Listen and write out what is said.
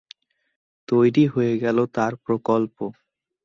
তৈরী হয়ে গেল তার প্রকল্প।